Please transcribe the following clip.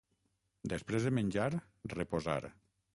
Després de menjar, reposar.